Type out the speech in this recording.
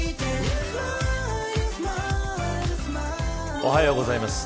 おはようございます。